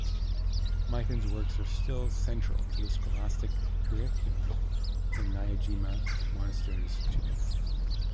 Mipham's works are still central to the scholastic curriculum in Nyingma monasteries today.